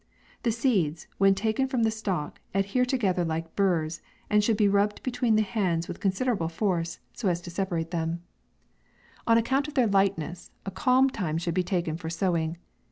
The seeds, when taken from the stalk, adhere together like burrs, and should be rubbed between the hands with considerable force, so as to separate them. 84 MAY. On account of their lightness, a calm time should be taken for sowing.